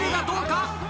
どうか？